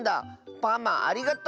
パマありがとう！